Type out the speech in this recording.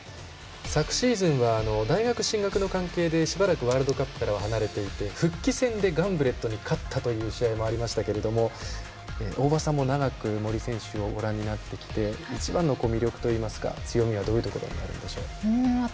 昨シーズンは大学進学の関係でしばらくワールドカップから離れていて、復帰戦でガンブレットに勝ったという試合もありましたけども大場さんも長く森選手をご覧になってきて一番の魅力強みはどういうところになるんでしょう。